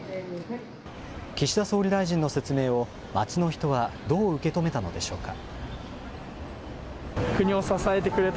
岸田総理大臣の説明を、街の人はどう受け止めたのでしょうか。